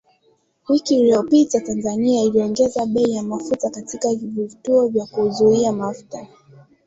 Wiki iliyopita, Tanzania iliongeza bei ya mafuta katika vituo vya kuuzia mafuta.